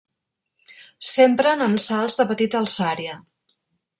S'empren en salts de petita alçària.